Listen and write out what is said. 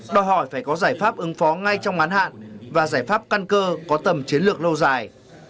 đòi hỏi phải có giải pháp ứng phó ngay trong ngán hạn và giải pháp căn cơ có tầm chiến lược lâu dài